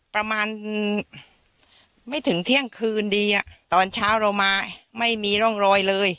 ประมาณไม่ถึงเที่ยงคืนดีอ่ะตอนเช้าเรามาไม่มีร่องรอยเลย